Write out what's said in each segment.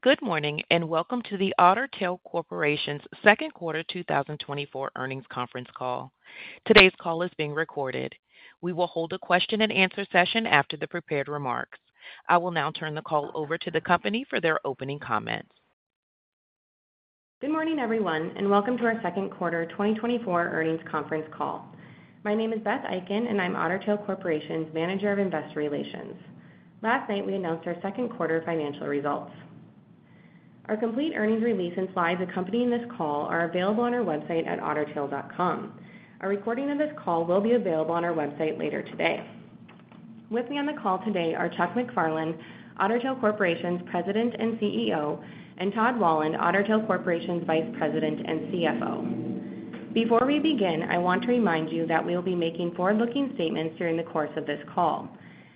Good morning, and welcome to the Otter Tail Corporation's second quarter 2024 earnings conference call. Today's call is being recorded. We will hold a question-and-answer session after the prepared remarks. I will now turn the call over to the company for their opening comments. Good morning, everyone, and welcome to our second quarter 2024 earnings conference call. My name is Beth Eiken, and I'm Otter Tail Corporation's Manager of Investor Relations. Last night, we announced our second quarter financial results. Our complete earnings release and slides accompanying this call are available on our website at ottertail.com. A recording of this call will be available on our website later today. With me on the call today are Chuck MacFarlane, Otter Tail Corporation's President and CEO, and Todd Wahlund, Otter Tail Corporation's Vice President and CFO. Before we begin, I want to remind you that we'll be making forward-looking statements during the course of this call.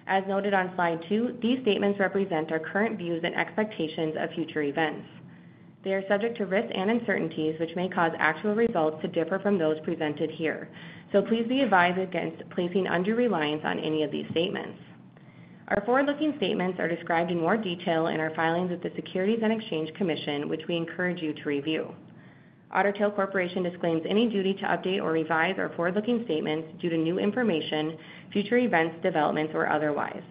As noted on slide 2, these statements represent our current views and expectations of future events. They are subject to risks and uncertainties, which may cause actual results to differ from those presented here. So please be advised against placing undue reliance on any of these statements. Our forward-looking statements are described in more detail in our filings with the Securities and Exchange Commission, which we encourage you to review. Otter Tail Corporation disclaims any duty to update or revise our forward-looking statements due to new information, future events, developments, or otherwise.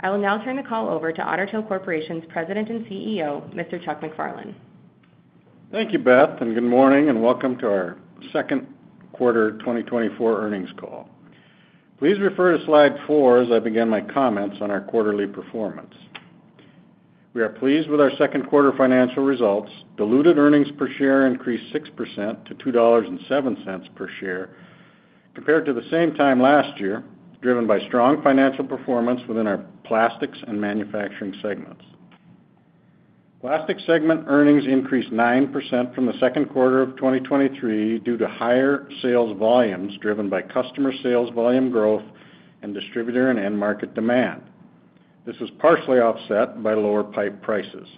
I will now turn the call over to Otter Tail Corporation's President and CEO, Mr. Chuck MacFarlane. Thank you, Beth, and good morning, and welcome to our second quarter 2024 earnings call. Please refer to slide 4 as I begin my comments on our quarterly performance. We are pleased with our second quarter financial results. Diluted earnings per share increased 6% to $2.07 per share compared to the same time last year, driven by strong financial performance within our Plastics and Manufacturing segments. Plastics segment earnings increased 9% from the second quarter of 2023 due to higher sales volumes, driven by customer sales volume growth and distributor and end market demand. This was partially offset by lower pipe prices.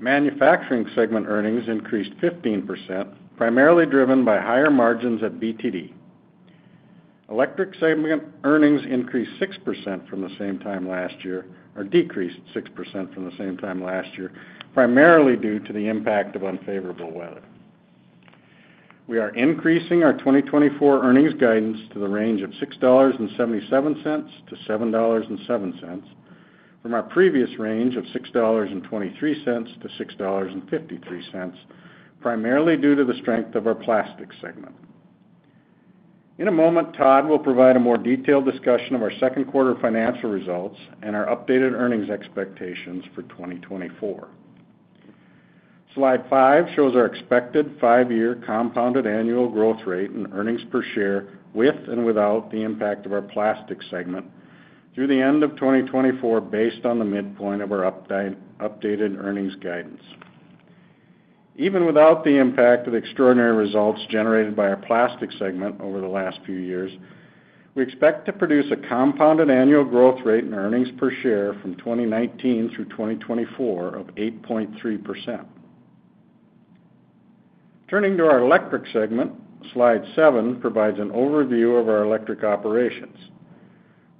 Manufacturing segment earnings increased 15%, primarily driven by higher margins at BTD. Electric segment earnings increased 6% from the same time last year - or decreased 6% from the same time last year, primarily due to the impact of unfavorable weather. We are increasing our 2024 earnings guidance to the range of $6.77-$7.07, from our previous range of $6.23-$6.53, primarily due to the strength of our Plastics segment. In a moment, Todd will provide a more detailed discussion of our second quarter financial results and our updated earnings expectations for 2024. Slide 5 shows our expected 5-year compounded annual growth rate and earnings per share, with and without the impact of our Plastics segment, through the end of 2024, based on the midpoint of our updated earnings guidance. Even without the impact of extraordinary results generated by our Plastics segment over the last few years, we expect to produce a compounded annual growth rate in earnings per share from 2019 through 2024 of 8.3%. Turning to our Electric segment, slide 7 provides an overview of our electric operations.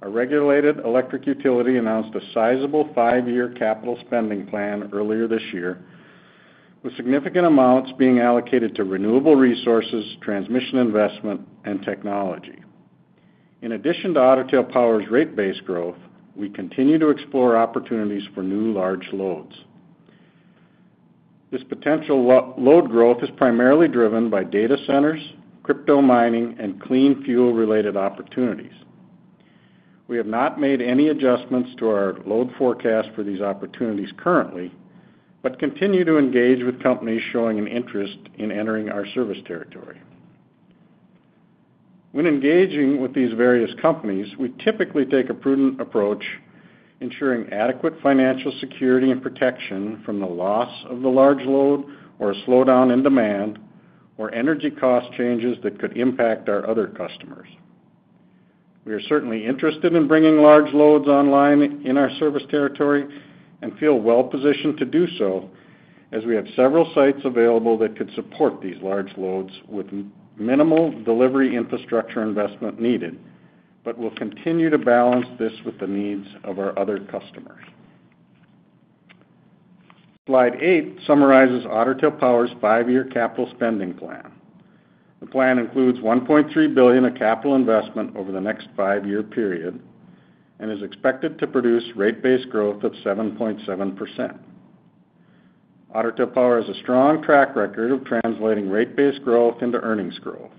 Our regulated electric utility announced a sizable five-year capital spending plan earlier this year, with significant amounts being allocated to renewable resources, transmission investment, and technology. In addition to Otter Tail Power's rate base growth, we continue to explore opportunities for new large loads. This potential load growth is primarily driven by data centers, crypto mining, and clean fuel-related opportunities. We have not made any adjustments to our load forecast for these opportunities currently, but continue to engage with companies showing an interest in entering our service territory. When engaging with these various companies, we typically take a prudent approach, ensuring adequate financial security and protection from the loss of the large load, or a slowdown in demand, or energy cost changes that could impact our other customers. We are certainly interested in bringing large loads online in our service territory and feel well positioned to do so, as we have several sites available that could support these large loads with minimal delivery infrastructure investment needed, but we'll continue to balance this with the needs of our other customers. Slide 8 summarizes Otter Tail Power's five-year capital spending plan. The plan includes $1.3 billion of capital investment over the next five-year period and is expected to produce rate base growth of 7.7%. Otter Tail Power has a strong track record of translating rate base growth into earnings growth.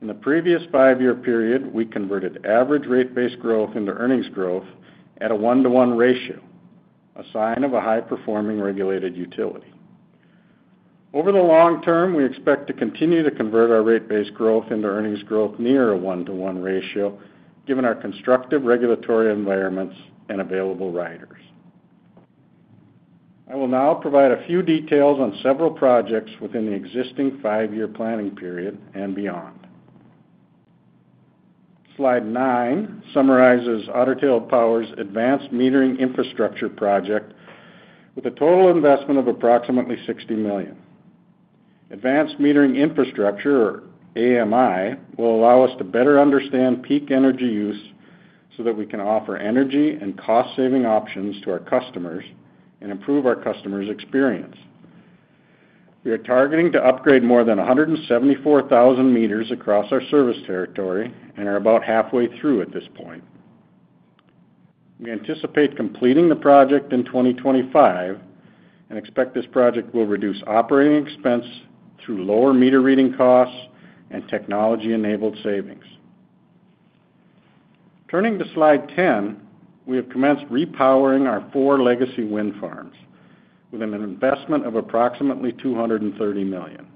In the previous five-year period, we converted average rate base growth into earnings growth at a 1:1 ratio, a sign of a high-performing regulated utility. Over the long term, we expect to continue to convert our rate base growth into earnings growth near a 1:1 ratio, given our constructive regulatory environments and available riders. I will now provide a few details on several projects within the existing five-year planning period and beyond. Slide 9 summarizes Otter Tail Power's advanced metering infrastructure project with a total investment of approximately $60 million. Advanced metering infrastructure, or AMI, will allow us to better understand peak energy use so that we can offer energy and cost-saving options to our customers and improve our customers' experience. We are targeting to upgrade more than 174,000 meters across our service territory and are about halfway through at this point. We anticipate completing the project in 2025 and expect this project will reduce operating expense through lower meter reading costs and technology-enabled savings. Turning to Slide 10, we have commenced repowering our four legacy wind farms with an investment of approximately $230 million.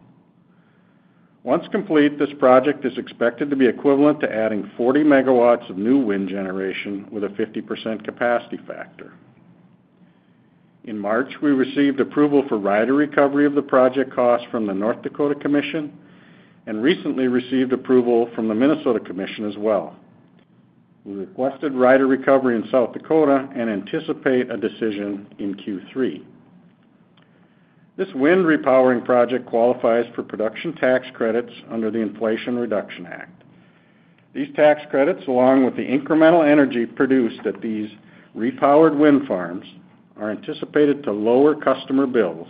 Once complete, this project is expected to be equivalent to adding 40 MW of new wind generation with a 50% capacity factor. In March, we received approval for rider recovery of the project costs from the North Dakota Commission, and recently received approval from the Minnesota Commission as well. We requested rider recovery in South Dakota and anticipate a decision in Q3. This wind repowering project qualifies for production tax credits under the Inflation Reduction Act. These tax credits, along with the incremental energy produced at these repowered wind farms, are anticipated to lower customer bills,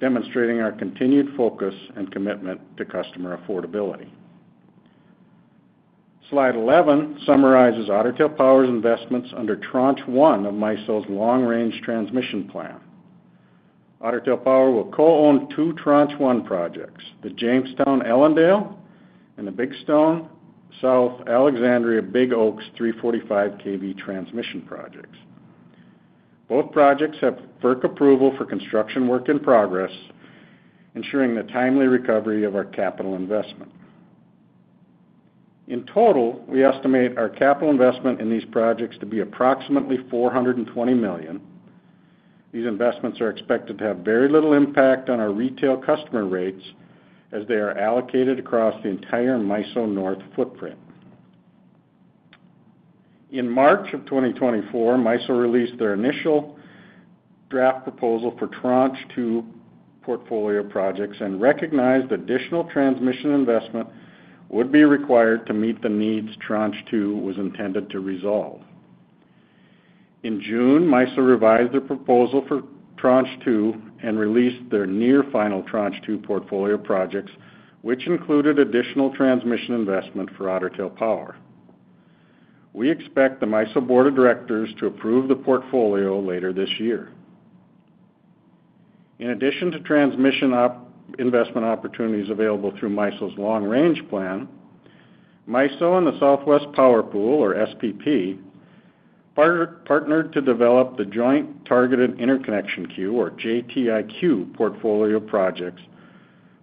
demonstrating our continued focus and commitment to customer affordability. Slide 11 summarizes Otter Tail Power's investments under Tranche One of MISO's Long Range Transmission Plan. Otter Tail Power will co-own two Tranche One projects, the Jamestown-Ellendale and the Big Stone South/Alexandria-Big Oaks 345 kV transmission projects. Both projects have FERC approval for construction work in progress, ensuring the timely recovery of our capital investment. In total, we estimate our capital investment in these projects to be approximately $420 million. These investments are expected to have very little impact on our retail customer rates as they are allocated across the entire MISO North footprint. In March of 2024, MISO released their initial draft proposal for Tranche Two portfolio projects and recognized additional transmission investment would be required to meet the needs Tranche Two was intended to resolve. In June, MISO revised their proposal for Tranche Two and released their near final Tranche Two portfolio projects, which included additional transmission investment for Otter Tail Power. We expect the MISO Board of Directors to approve the portfolio later this year. In addition to transmission investment opportunities available through MISO's Long Range Plan, MISO and the Southwest Power Pool, or SPP, partnered to develop the Joint Targeted Interconnection Queue, or JTIQ, portfolio of projects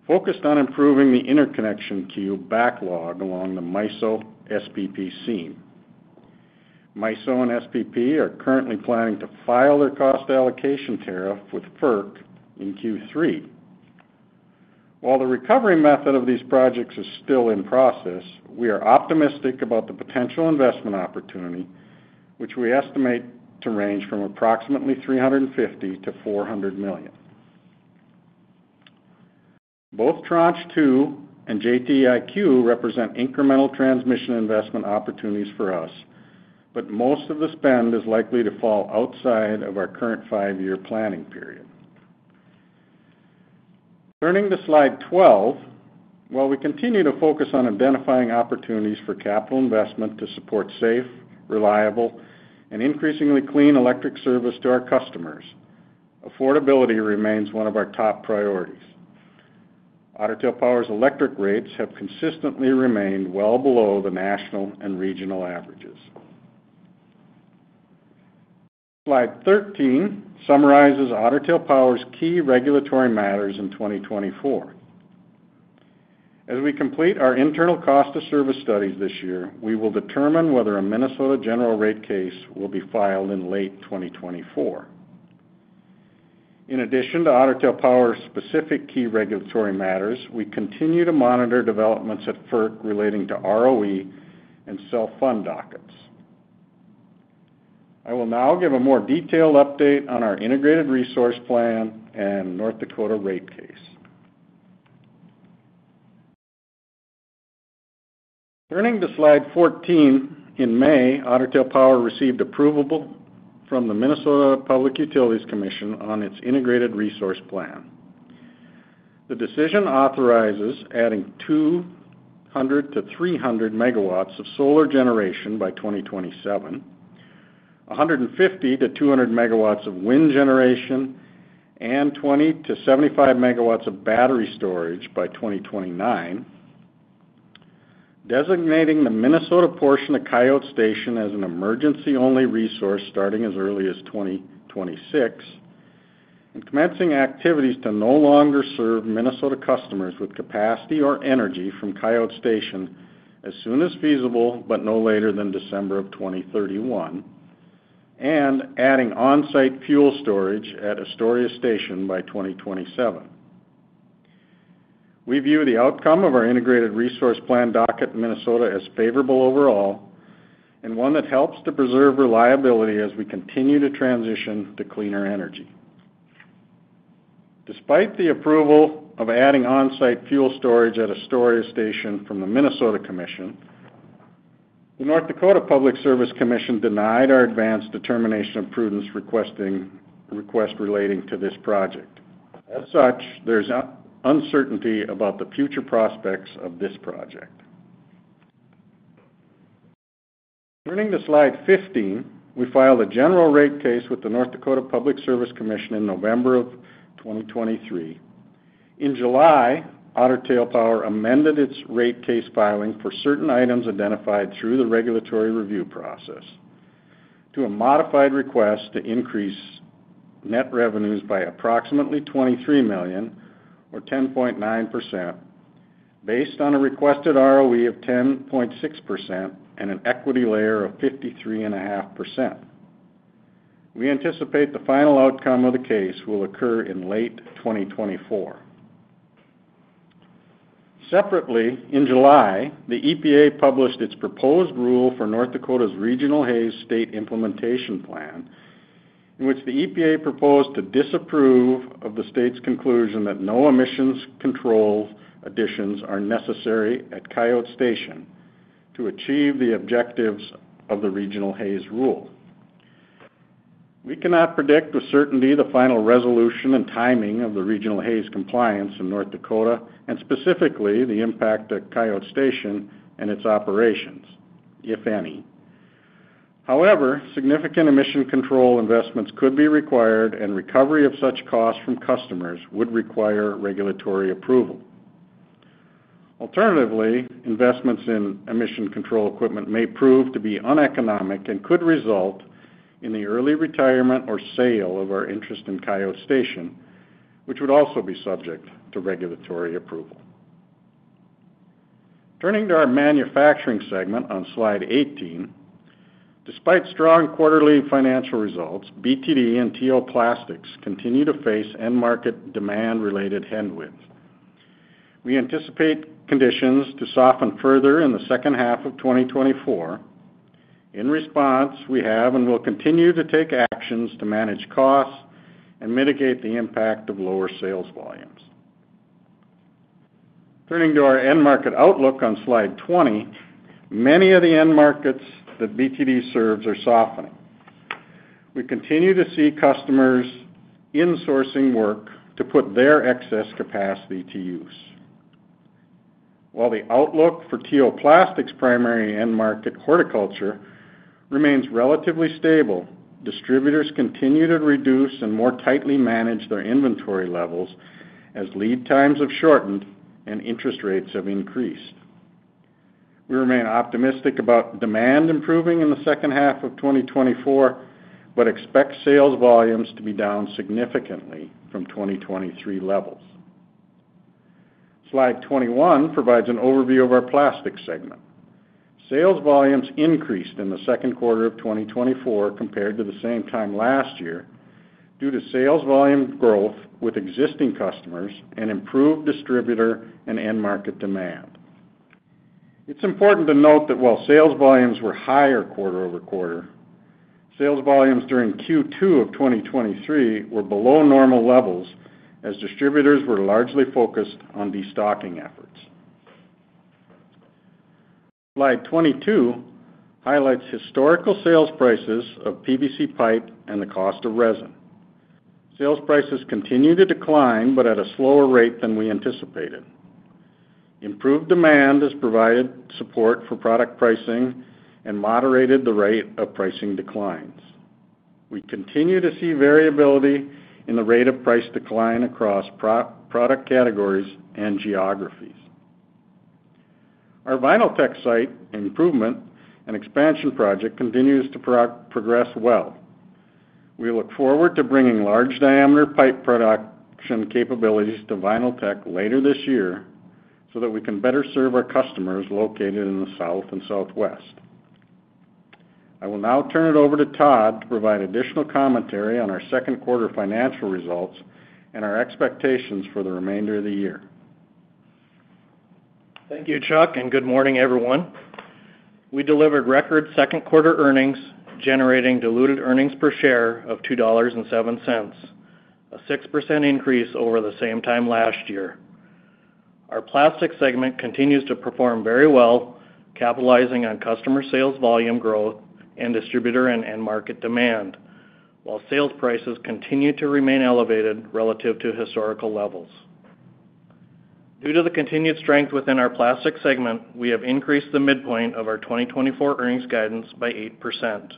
focused on improving the interconnection queue backlog along the MISO SPP seam. MISO and SPP are currently planning to file their cost allocation tariff with FERC in Q3. While the recovery method of these projects is still in process, we are optimistic about the potential investment opportunity, which we estimate to range from approximately $350 million-$400 million. Both Tranche Two and JTIQ represent incremental transmission investment opportunities for us, but most of the spend is likely to fall outside of our current five-year planning period. Turning to Slide 12, while we continue to focus on identifying opportunities for capital investment to support safe, reliable, and increasingly clean electric service to our customers, affordability remains one of our top priorities. Otter Tail Power's electric rates have consistently remained well below the national and regional averages. Slide 13 summarizes Otter Tail Power's key regulatory matters in 2024. As we complete our internal cost of service studies this year, we will determine whether a Minnesota general rate case will be filed in late 2024. In addition to Otter Tail Power's specific key regulatory matters, we continue to monitor developments at FERC relating to ROE and self-fund dockets. I will now give a more detailed update on our integrated resource plan and North Dakota rate case. Turning to Slide 14, in May, Otter Tail Power received approval from the Minnesota Public Utilities Commission on its integrated resource plan. The decision authorizes adding 200-300 MW of solar generation by 2027, 150-200 MW of wind generation, and 20-75 MW of battery storage by 2029, designating the Minnesota portion of Coyote Station as an emergency-only resource starting as early as 2026, and commencing activities to no longer serve Minnesota customers with capacity or energy from Coyote Station as soon as feasible, but no later than December 2031, and adding on-site fuel storage at Astoria Station by 2027. We view the outcome of our integrated resource plan docket in Minnesota as favorable overall, and one that helps to preserve reliability as we continue to transition to cleaner energy. Despite the approval of adding on-site fuel storage at Astoria Station from the Minnesota Commission, the North Dakota Public Service Commission denied our advance determination of prudence request relating to this project. As such, there's uncertainty about the future prospects of this project. Turning to Slide 15, we filed a general rate case with the North Dakota Public Service Commission in November of 2023. In July, Otter Tail Power amended its rate case filing for certain items identified through the regulatory review process to a modified request to increase net revenues by approximately $23 million or 10.9%, based on a requested ROE of 10.6% and an equity layer of 53.5%. We anticipate the final outcome of the case will occur in late 2024. Separately, in July, the EPA published its proposed rule for North Dakota's Regional Haze State Implementation Plan, in which the EPA proposed to disapprove of the state's conclusion that no emissions control additions are necessary at Coyote Station to achieve the objectives of the Regional Haze rule. We cannot predict with certainty the final resolution and timing of the Regional Haze compliance in North Dakota, and specifically, the impact at Coyote Station and its operations, if any. However, significant emission control investments could be required, and recovery of such costs from customers would require regulatory approval. Alternatively, investments in emission control equipment may prove to be uneconomic and could result in the early retirement or sale of our interest in Coyote Station, which would also be subject to regulatory approval. Turning to our manufacturing segment on Slide 18, despite strong quarterly financial results, BTD and T.O. Plastics continue to face end market demand-related headwinds. We anticipate conditions to soften further in the second half of 2024. In response, we have and will continue to take actions to manage costs and mitigate the impact of lower sales volumes. Turning to our end market outlook on Slide 20, many of the end markets that BTD serves are softening. We continue to see customers insourcing work to put their excess capacity to use. While the outlook for T.O. Plastics' primary end market, horticulture, remains relatively stable, distributors continue to reduce and more tightly manage their inventory levels as lead times have shortened and interest rates have increased. We remain optimistic about demand improving in the second half of 2024, but expect sales volumes to be down significantly from 2023 levels. Slide 21 provides an overview of our plastics segment. Sales volumes increased in the second quarter of 2024 compared to the same time last year, due to sales volume growth with existing customers and improved distributor and end market demand. It's important to note that while sales volumes were higher quarter over quarter, sales volumes during Q2 of 2023 were below normal levels, as distributors were largely focused on destocking efforts. Slide 22 highlights historical sales prices of PVC pipe and the cost of resin. Sales prices continue to decline, but at a slower rate than we anticipated. Improved demand has provided support for product pricing and moderated the rate of pricing declines. We continue to see variability in the rate of price decline across product categories and geographies. Our Vinyltech site improvement and expansion project continues to progress well. We look forward to bringing large-diameter pipe production capabilities to Vinyltech later this year, so that we can better serve our customers located in the South and Southwest. I will now turn it over to Todd to provide additional commentary on our second quarter financial results and our expectations for the remainder of the year. Thank you, Chuck, and good morning, everyone. We delivered record second-quarter earnings, generating diluted earnings per share of $2.07, a 6% increase over the same time last year. Our plastics segment continues to perform very well, capitalizing on customer sales volume growth and distributor and end market demand, while sales prices continue to remain elevated relative to historical levels. Due to the continued strength within our plastics segment, we have increased the midpoint of our 2024 earnings guidance by 8%.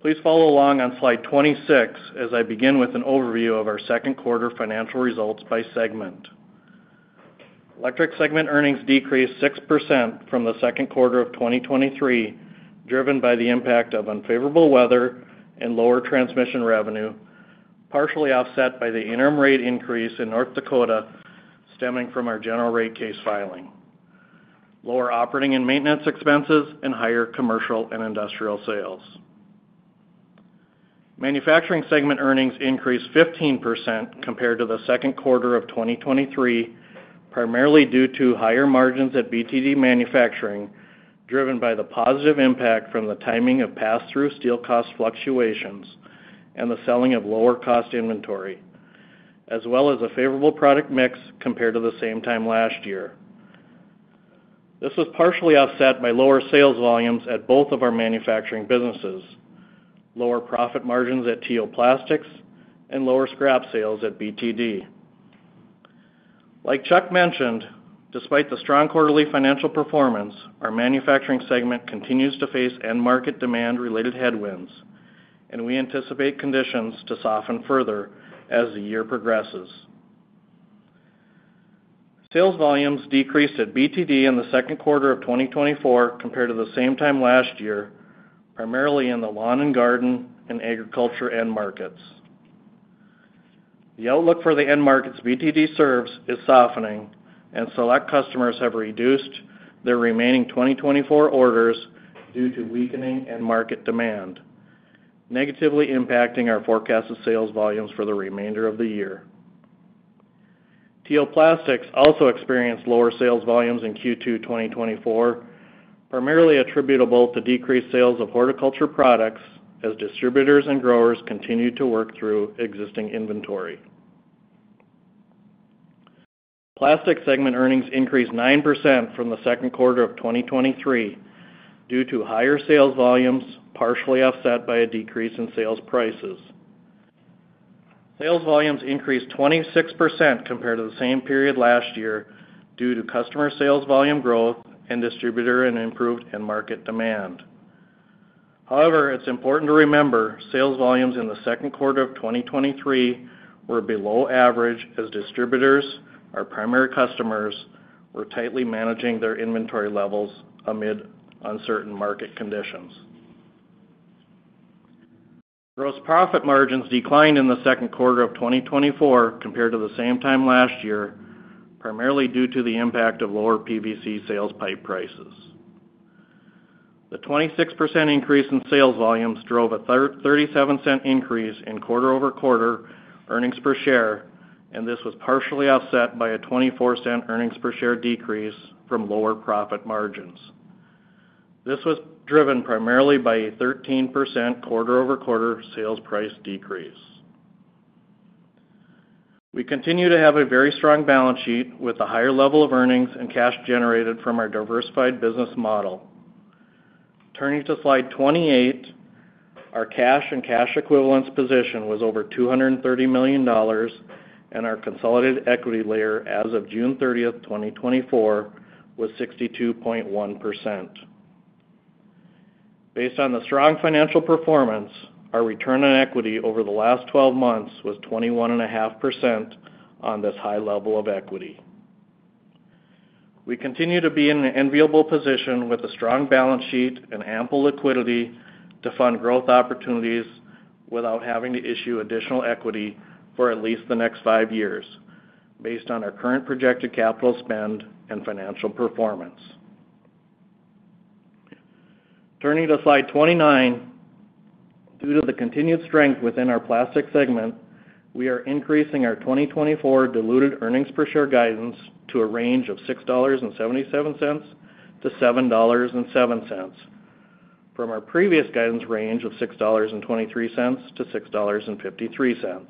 Please follow along on Slide 26 as I begin with an overview of our second quarter financial results by segment. Electric segment earnings decreased 6% from the second quarter of 2023, driven by the impact of unfavorable weather and lower transmission revenue, partially offset by the interim rate increase in North Dakota, stemming from our general rate case filing, lower operating and maintenance expenses, and higher commercial and industrial sales. Manufacturing segment earnings increased 15% compared to the second quarter of 2023, primarily due to higher margins at BTD Manufacturing, driven by the positive impact from the timing of pass-through steel cost fluctuations and the selling of lower cost inventory, as well as a favorable product mix compared to the same time last year. This was partially offset by lower sales volumes at both of our manufacturing businesses, lower profit margins at T.O. Plastics, and lower scrap sales at BTD. Like Chuck mentioned, despite the strong quarterly financial performance, our manufacturing segment continues to face end market demand-related headwinds, and we anticipate conditions to soften further as the year progresses. Sales volumes decreased at BTD in the second quarter of 2024 compared to the same time last year, primarily in the lawn and garden and agriculture end markets. The outlook for the end markets BTD serves is softening, and select customers have reduced their remaining 2024 orders due to weakening end market demand, negatively impacting our forecast of sales volumes for the remainder of the year. T.O. Plastics also experienced lower sales volumes in Q2 2024, primarily attributable to decreased sales of horticulture products as distributors and growers continue to work through existing inventory. Plastics segment earnings increased 9% from the second quarter of 2023 due to higher sales volumes, partially offset by a decrease in sales prices. Sales volumes increased 26% compared to the same period last year due to customer sales volume growth and distributor and improved end market demand. However, it's important to remember, sales volumes in the second quarter of 2023 were below average as distributors, our primary customers, were tightly managing their inventory levels amid uncertain market conditions. Gross profit margins declined in the second quarter of 2024 compared to the same time last year, primarily due to the impact of lower PVC sales pipe prices. The 26% increase in sales volumes drove a $0.37 increase in quarter-over-quarter earnings per share, and this was partially offset by a $0.24 earnings per share decrease from lower profit margins. This was driven primarily by a 13% quarter-over-quarter sales price decrease. We continue to have a very strong balance sheet with a higher level of earnings and cash generated from our diversified business model. Turning to Slide 28, our cash and cash equivalents position was over $230 million, and our consolidated equity layer as of June 30, 2024, was 62.1%. Based on the strong financial performance, our return on equity over the last 12 months was 21.5% on this high level of equity. We continue to be in an enviable position with a strong balance sheet and ample liquidity to fund growth opportunities without having to issue additional equity for at least the next 5 years, based on our current projected capital spend and financial performance. Turning to Slide 29, due to the continued strength within our plastics segment, we are increasing our 2024 diluted earnings per share guidance to a range of $6.77-$7.07, from our previous guidance range of $6.23-$6.53.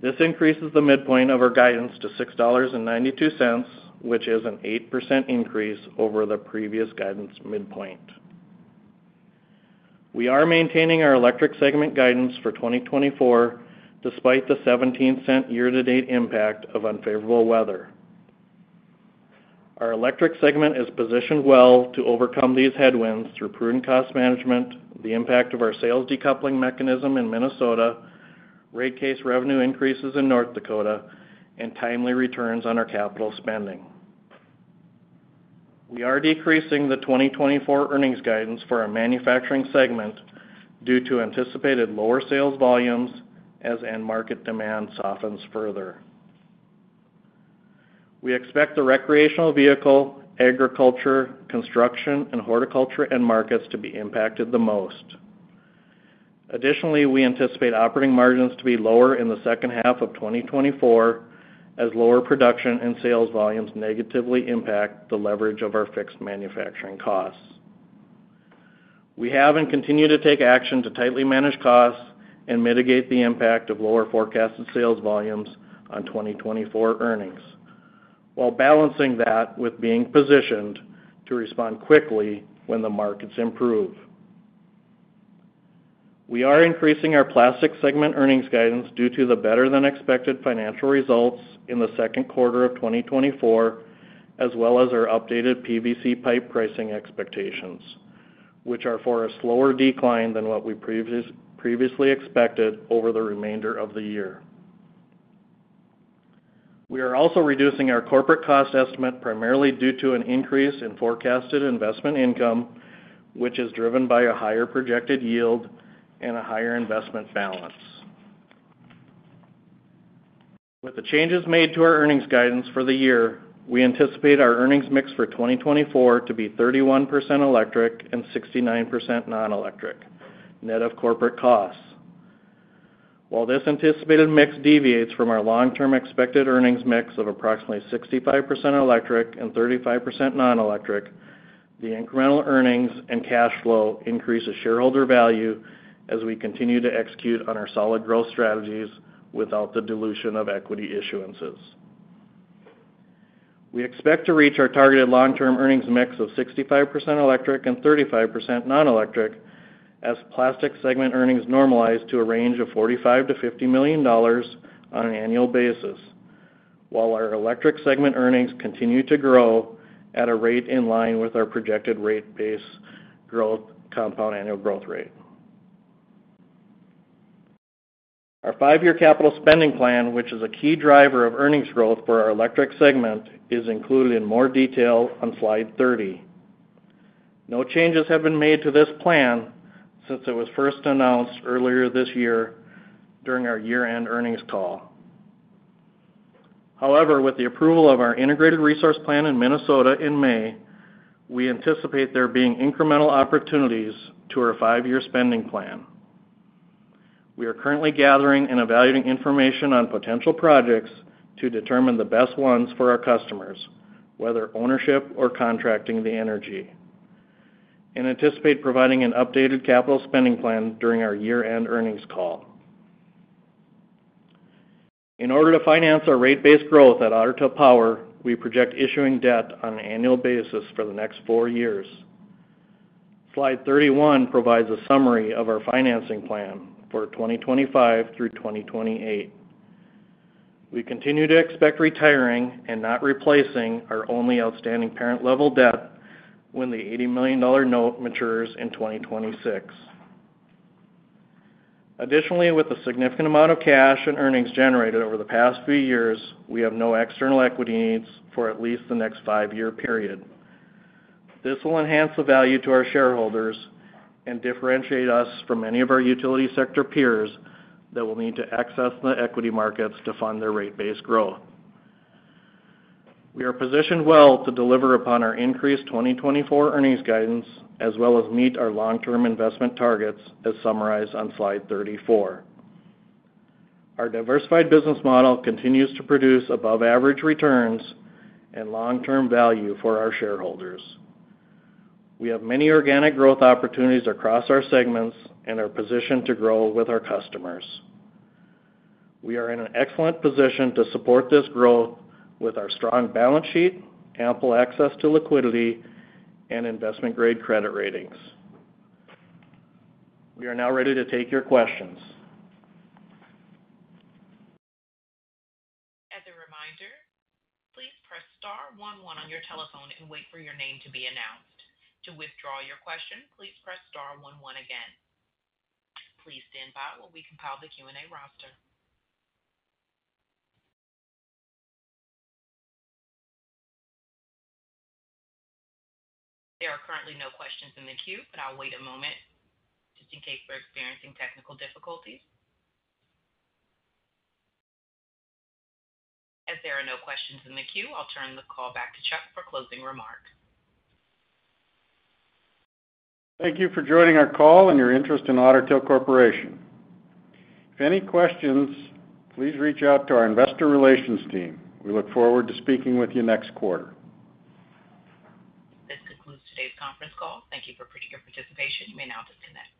This increases the midpoint of our guidance to $6.92, which is an 8% increase over the previous guidance midpoint. We are maintaining our electric segment guidance for 2024, despite the $0.17 year-to-date impact of unfavorable weather. Our electric segment is positioned well to overcome these headwinds through prudent cost management, the impact of our sales decoupling mechanism in Minnesota, rate case revenue increases in North Dakota, and timely returns on our capital spending. We are decreasing the 2024 earnings guidance for our manufacturing segment due to anticipated lower sales volumes as end market demand softens further. We expect the recreational vehicle, agriculture, construction, and horticulture end markets to be impacted the most. Additionally, we anticipate operating margins to be lower in the second half of 2024, as lower production and sales volumes negatively impact the leverage of our fixed manufacturing costs. We have and continue to take action to tightly manage costs and mitigate the impact of lower forecasted sales volumes on 2024 earnings, while balancing that with being positioned to respond quickly when the markets improve. We are increasing our plastics segment earnings guidance due to the better-than-expected financial results in the second quarter of 2024, as well as our updated PVC pipe pricing expectations, which are for a slower decline than what we previously expected over the remainder of the year. We are also reducing our corporate cost estimate, primarily due to an increase in forecasted investment income, which is driven by a higher projected yield and a higher investment balance.... With the changes made to our earnings guidance for the year, we anticipate our earnings mix for 2024 to be 31% electric and 69% nonelectric, net of corporate costs. While this anticipated mix deviates from our long-term expected earnings mix of approximately 65% electric and 35% non-electric, the incremental earnings and cash flow increase the shareholder value as we continue to execute on our solid growth strategies without the dilution of equity issuances. We expect to reach our targeted long-term earnings mix of 65% electric and 35% non-electric, as plastics segment earnings normalize to a range of $45 million-$50 million on an annual basis, while our electric segment earnings continue to grow at a rate in line with our projected rate base growth, compound annual growth rate. Our 5-year capital spending plan, which is a key driver of earnings growth for our electric segment, is included in more detail on slide 30. No changes have been made to this plan since it was first announced earlier this year during our year-end earnings call. However, with the approval of our Integrated Resource Plan in Minnesota in May, we anticipate there being incremental opportunities to our 5-year spending plan. We are currently gathering and evaluating information on potential projects to determine the best ones for our customers, whether ownership or contracting the energy, and anticipate providing an updated capital spending plan during our year-end earnings call. In order to finance our rate base growth at Otter Tail Power, we project issuing debt on an annual basis for the next four years. Slide 31 provides a summary of our financing plan for 2025 through 2028. We continue to expect retiring and not replacing our only outstanding parent-level debt when the $80 million note matures in 2026. Additionally, with a significant amount of cash and earnings generated over the past 3 years, we have no external equity needs for at least the next five-year period. This will enhance the value to our shareholders and differentiate us from many of our utility sector peers that will need to access the equity markets to fund their rate base growth. We are positioned well to deliver upon our increased 2024 earnings guidance, as well as meet our long-term investment targets, as summarized on slide 34. Our diversified business model continues to produce above-average returns and long-term value for our shareholders. We have many organic growth opportunities across our segments and are positioned to grow with our customers. We are in an excellent position to support this growth with our strong balance sheet, ample access to liquidity, and investment-grade credit ratings. We are now ready to take your questions. As a reminder, please press star 1, 1 on your telephone and wait for your name to be announced. To withdraw your question, please press star 1, 1 again. Please stand by while we compile the Q&A roster. There are currently no questions in the queue, but I'll wait a moment just in case we're experiencing technical difficulties. As there are no questions in the queue, I'll turn the call back to Chuck for closing remarks. Thank you for joining our call and your interest in Otter Tail Corporation. If any questions, please reach out to our investor relations team. We look forward to speaking with you next quarter. This concludes today's conference call. Thank you for your participation. You may now disconnect.